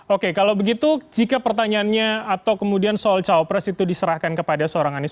oke kalau begitu jika pertanyaannya atau kemudian soal cawapres itu diserahkan kepada seorang anies